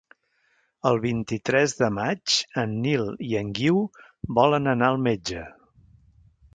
El vint-i-tres de maig en Nil i en Guiu volen anar al metge.